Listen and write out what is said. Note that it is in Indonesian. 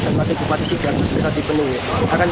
dan mati bupati sidoarjo setelah dipenuhi